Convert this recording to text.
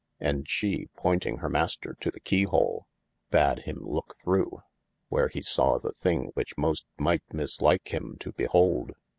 And she pointing hir mayster to the keyhole, bad him looke through, where he sawe the thing which moste mighte mislike him to behold.